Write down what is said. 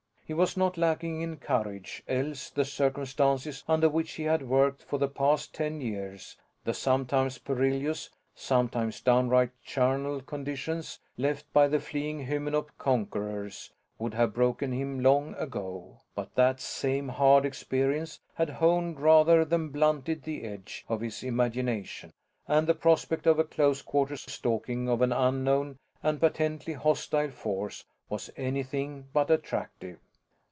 He was not lacking in courage, else the circumstances under which he had worked for the past ten years the sometimes perilous, sometimes downright charnel conditions left by the fleeing Hymenop conquerors would have broken him long ago. But that same hard experience had honed rather than blunted the edge of his imagination, and the prospect of a close quarters stalking of an unknown and patently hostile force was anything but attractive.